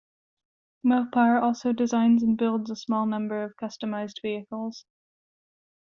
Mopar also designs and builds a small number of customized vehicles.